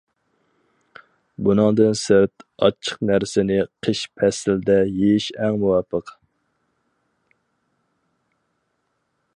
بۇنىڭدىن سىرت، ئاچچىق نەرسىنى قىش پەسلىدە يېيىش ئەڭ مۇۋاپىق.